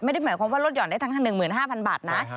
ไม่ได้หมายความว่าลดห่อนได้ทั้ง๑๕๐๐บาทนะ